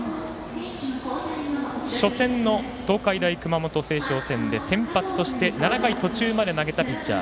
初戦の東海大熊本星翔戦で先発として７回途中まで投げたピッチャー。